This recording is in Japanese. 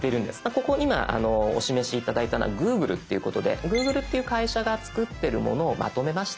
ここに今お示し頂いたのは「Ｇｏｏｇｌｅ」っていうことでＧｏｏｇｌｅっていう会社が作ってるものをまとめました。